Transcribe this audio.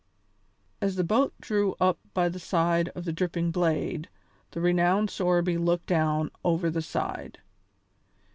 As the boat drew up by the side of the Dripping Blade the renowned Sorby looked down over the side.